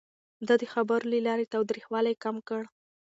ده د خبرو له لارې تاوتريخوالی کم کړ.